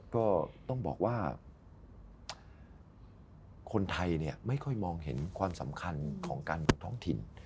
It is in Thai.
ก็ต้องบอกว่าคนไทยไม่ค่อยมองเห็นความสำคัญของการเมืองท้องถิ่น